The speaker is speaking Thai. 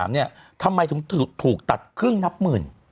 ๒๕๖๓เนี่ยทำไมต้องถูกตัดครึ่งนับหมื่น